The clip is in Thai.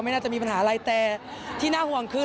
น่าจะมีปัญหาอะไรแต่ที่น่าห่วงคือ